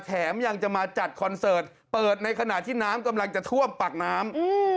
แถมยังจะมาจัดคอนเสิร์ตเปิดในขณะที่น้ำกำลังจะท่วมปากน้ำ